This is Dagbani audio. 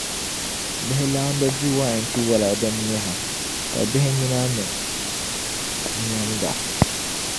Bihi’ laamba di wain tiwala din miha, ka bihi nyina ni nyɛmda.